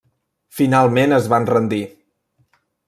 Finalment es van rendir.